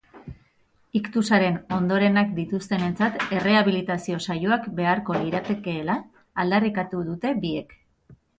Iktusaren ondorenak dituztenentzat errehabilitazio saioak beharko liratekeela aldarrikatu dute biek.